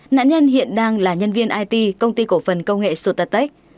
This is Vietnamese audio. nạn nhân hiện đang là nhân viên it công ty cổ phần công nghệ sotatech